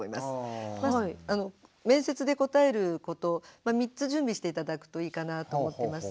面接で答えること３つ準備して頂くといいかなと思ってます。